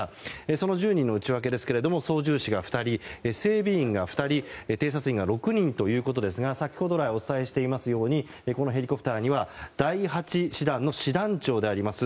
その１０人の内訳ですが操縦士が２人整備員が２人偵察員が６人ということですが先ほどからお伝えしていますようにこのヘリコプターには第８師団の師団長であります